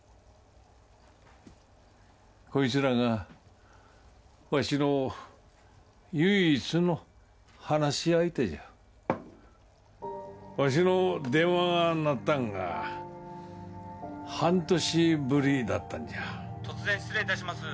こいつらがわしの唯一の話し相手じゃわしの電話が鳴ったんが半年ぶりだったんじゃ☎突然失礼いたします